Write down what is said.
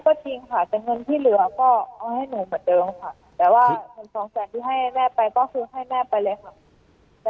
ก็จริงค่ะแต่เงินที่เหลือก็เอาให้หนูเหมือนเดิมค่ะแต่ว่าเงินสองแสนที่ให้แม่ไปก็คือให้แม่ไปเลยค่ะ